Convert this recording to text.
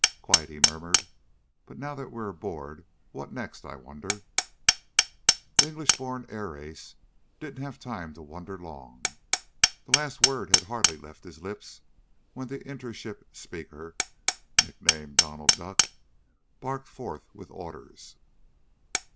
"Quite," he murmured. "But now that we're aboard, what next, I wonder?" The English born air ace didn't have to wonder long. The last word had hardly left his lips when the inter ship speaker (nick named Donald Duck) barked forth with orders.